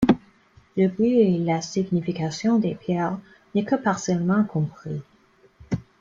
Le but et la signification des pierres n'est que partiellement compris.